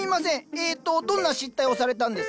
えっとどんな失態をされたんですか？